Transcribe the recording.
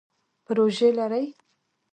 پروژی لرئ؟